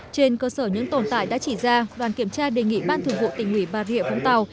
trên cơ sở những tồn tại đã chỉ ra đoàn kiểm tra đề nghị ban thường vụ tình hủy bà rịa phong tàu